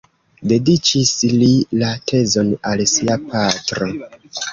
Dediĉis li la tezon al sia patro.